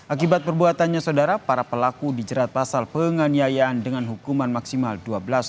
akibat perbuatannya saudara para pelaku dijerat pasal penganiayaan dengan hukuman maksimal dua belas tahun